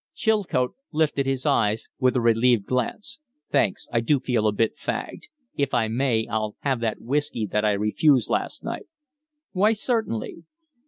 Chilcote lifted his eyes with a relieved glance. "Thanks. I do feel a bit fagged. If I may, I'll have that whiskey that I refused last night." "Why, certainly."